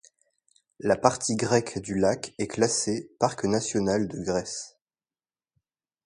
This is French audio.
La partie grecque du lac est classée parc national de Grèce.